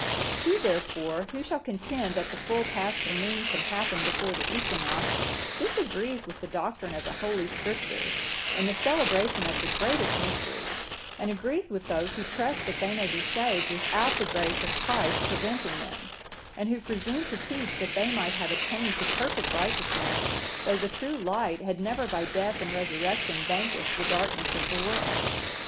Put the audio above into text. '(970) "He, therefore, who shall contend that the full Paschal moon can happen before the equinox, disagrees with the doctrine of the Holy Scriptures, in the celebration of the greatest mysteries, and agrees with those who trust that they may be saved without the grace of Christ preventing them,(971) and who presume to teach that they might have attained to perfect righteousness, though the true Light had never by death and resurrection vanquished the darkness of the world.